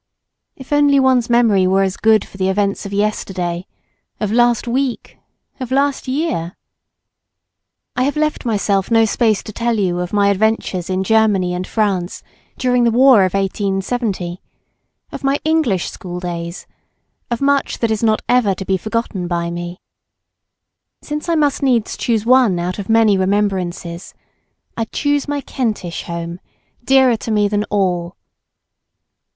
If only one's memory were as good for the events of yesterday—of last week, of last year! I have left myself no space to tell you of my adventures in Germany and France during the war of 1870, of my English school days, of much that is not ever to be forgotten by me. Since I must needs choose one out of many remembrances, I choose my Kentish home, dearer to me than all.